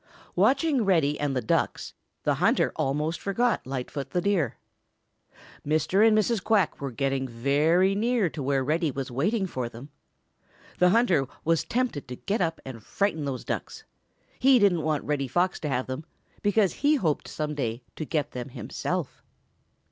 Watching Reddy and the Ducks, the hunter almost forgot Lightfoot the Deer. Mr. and Mrs. Quack were getting very near to where Reddy was waiting for them. The hunter was tempted to get up and frighten those Ducks. He didn't want Reddy Fox to have them, because he hoped some day to get them himself.